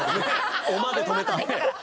「おま」で止めた。